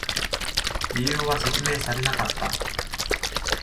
理由は説明されなかった。